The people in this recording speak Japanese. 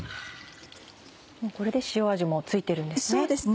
これで塩味もついてるんですね。